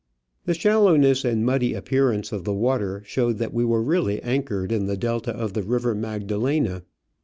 The shallowness and muddy appearance of the water showed that we were really anchored in the delta of the River Magda lena.